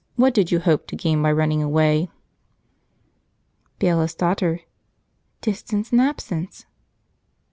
What did you hope to gain by running away?" Bailiff's Daughter. "Distance and absence."